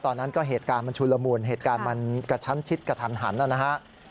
ตอนนั้นก็เหตุการณ์มันชุนละมุนเหตุการณ์มันกระชั้นชิดกระทันหันนะฮะ